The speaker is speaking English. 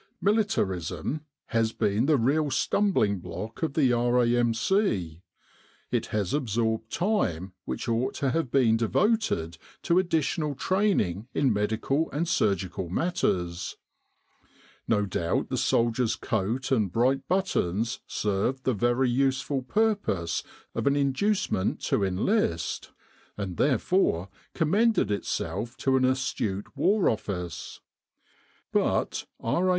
Militarism has been the real stumbling block of the R.A.M.C. It has absorbed time which ought to have been devoted to additional training in medical and surgical matters. No doubt the soldier's coat and bright buttons served the very useful purpose of an induce ment to enlist; and therefore commended itself to an astute War Office. But R.A.